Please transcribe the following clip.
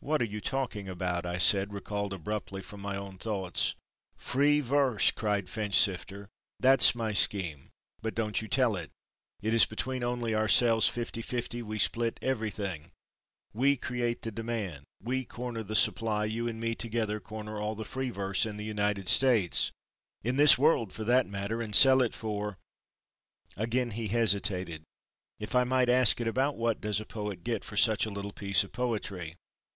"What are you talking about?" I said, recalled abruptly from my own thoughts. "Free verse!" cried Finchsifter. "That's my scheme!—but don't you tell it—It is between only ourselves—fifty fifty—we split everything—we create the demand—we corner the supply, you and me together corner all the free verse in the United States—in this world for that matter and sell it for—" Again he hesitated—"If I might ask it—about what does a Poet get for such a little piece of poetry?